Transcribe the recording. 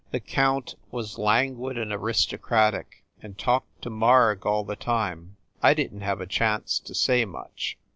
The count was lan guid and aristocratic and talked to Marg all the time. I didn t have a chance to say much.